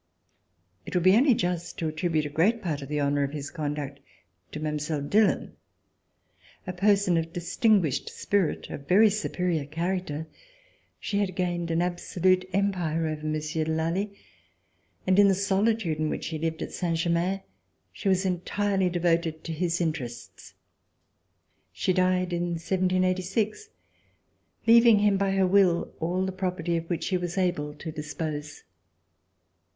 It would be only just to attribute a great part of the honor of his conduct to Mile. Dillon. A person of distinguished spirit, of very superior charac ter, she had gained an absolute empire over Monsieur de Lally, and in the solitude in which she lived at Saint Germain, she was entirely devoted to his in terests. She died in 1786, leaving him by her will all the property of which she was able to dispose.